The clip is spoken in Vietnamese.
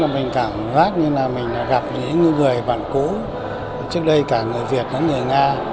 mình cảm giác như là mình gặp những người bạn cũ trước đây cả người việt cả người nga